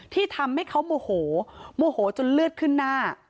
ที่ทำให้เขาโมโหโมโหจนเลือดขึ้นหน้า